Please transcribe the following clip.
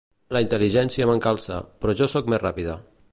La intel·ligència m'encalça, però jo sóc més ràpida.